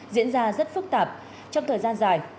diễn ra rất phức tạp trong thời gian dài